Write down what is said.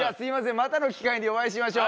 またの機会にお会いしましょう。